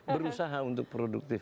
berusaha untuk produktif